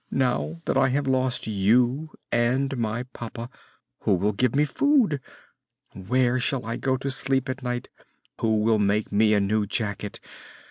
Now that I have lost you and my papa, who will give me food? Where shall I go to sleep at night? Who will make me a new jacket?